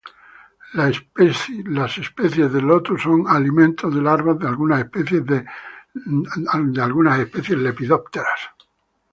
Las especies de "Lotus" son alimento de larvas de algunas especies de Lepidoptera.